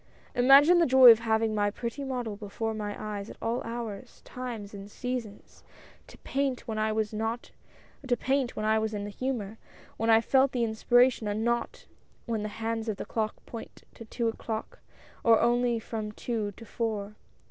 Imagine the joy of having my pretty model before my eyes at all hours, times, and seasons — to paint when I was in the humor — when I felt the inspiration — and not when the hands of the clock point to two o'clock, or only from two to four.